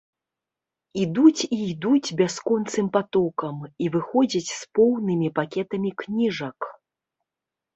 Ідуць і ідуць бясконцым патокам, і выходзяць з поўнымі пакетамі кніжак.